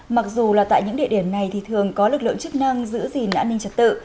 mặc dù là tại những địa điểm này thì thường có lực lượng chức năng giữ gìn an ninh trật tự